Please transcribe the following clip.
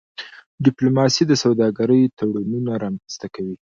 ډيپلوماسي د سوداګرۍ تړونونه رامنځته کوي.